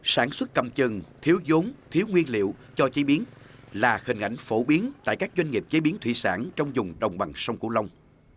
sản xuất cầm chừng thiếu giống thiếu nguyên liệu cho chế biến là hình ảnh phổ biến tại các doanh nghiệp chế biến thủy sản trong dùng đồng bằng sông cửu long